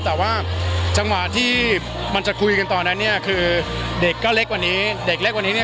แต่ว่าจังหวะที่มันจะคุยกันตอนนั้นเนี่ยคือเด็กก็เล็กกว่านี้